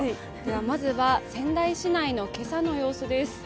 まずは仙台市内の今朝の様子です。